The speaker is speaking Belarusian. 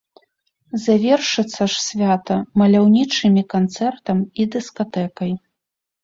Завершыцца ж свята маляўнічымі канцэртам і дыскатэкай.